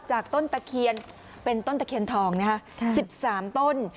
ต้นตะเคียนเป็นต้นตะเคียนทองนะคะ๑๓ต้น